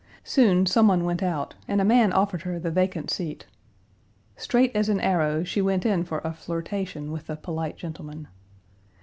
Soon some one went out and a man offered her the vacant seat. Straight as an arrow she went in for a flirtation with the polite gentleman.